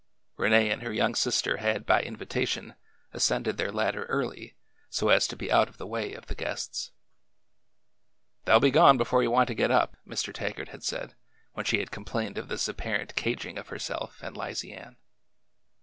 226 A DARK NIGHTS RIDE 227 Rene and her young sister had, by invitation, ascended their ladder early, so as to be out of the way of the guests. They 'll be gone before you want to get up," Mr. Taggart had said when she had complained of this appar ent caging of herself and Lizy Ann.